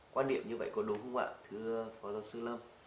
quan điểm như vậy có đúng không ạ thưa phó giáo sư lâm